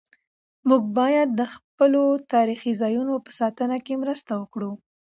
موږ باید د خپلو تاریخي ځایونو په ساتنه کې مرسته وکړو.